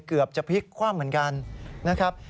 เกือบจะพลิกคว่ำเหมือนกันนะครับ